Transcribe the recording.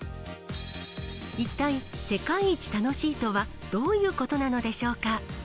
一体、世界一楽しいとは、どういうことなのでしょうか。